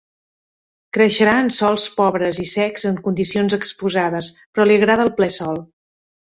Creixerà en sòls pobres i secs en condicions exposades, però li agrada el ple sol.